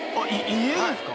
家ですか？